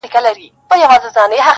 چي مي بایللی و، وه هغه کس ته ودرېدم